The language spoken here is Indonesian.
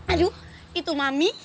aduh itu mami